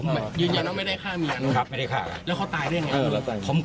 ไม่ครับอย่างน้อยไม่ได้ฆ่าเมียครับไม่ได้ฆ่าแล้วเขาตายได้ไงครับ